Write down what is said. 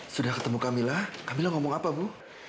sudah ketemu kamilah kamilah ngomong apa bu